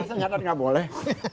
saya nyata nggak boleh